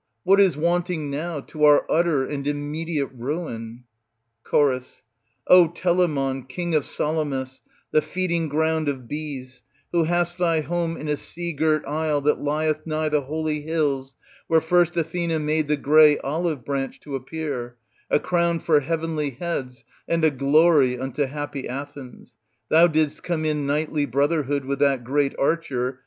What is wanting now to our utter and immediate ruin? Cho. O Telamon, King of Salamis, the feeding ground of bees, who hast thy home in a sea girt isle that lieth nigh the holy hills where first Athena made the grey olive branch to appear, a crown for heavenly heads and a glory unto happy Athens, thou didst come in knightly brotherhood with that great archer